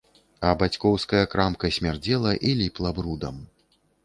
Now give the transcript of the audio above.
А бацькоўская крамка смярдзела і ліпла брудам.